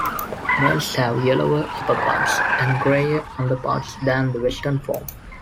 Males have yellower upperparts and greyer underparts than the western form.